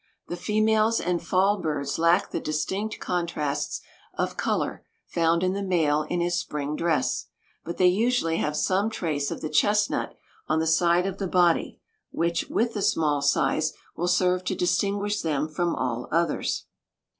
The females and fall birds lack the distinct contrasts of color found in the male in his spring dress, but they usually have some trace of the chestnut on the side of the body, which, with the small size, will serve to distinguish them from all others.